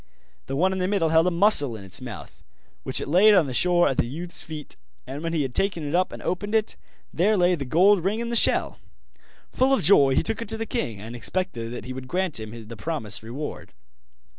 The one in the middle held a mussel in its mouth, which it laid on the shore at the youth's feet, and when he had taken it up and opened it, there lay the gold ring in the shell. Full of joy he took it to the king and expected that he would grant him the promised reward.